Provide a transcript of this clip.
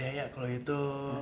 ya udah deh ya kalau gitu